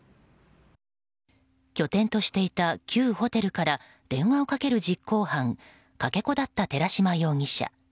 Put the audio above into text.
拠点としていた旧ホテルから電話をかける実行犯かけ子だった寺島容疑者。